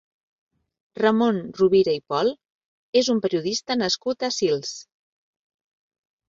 Ramon Rovira i Pol és un periodista nascut a Sils.